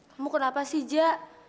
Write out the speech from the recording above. kamu kenapa sih ja